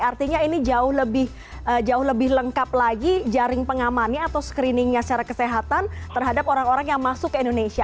artinya ini jauh lebih lengkap lagi jaring pengamannya atau screeningnya secara kesehatan terhadap orang orang yang masuk ke indonesia